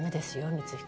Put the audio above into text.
光彦。